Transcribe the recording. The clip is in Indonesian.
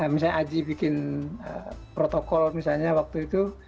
misalnya aji bikin protokol misalnya waktu itu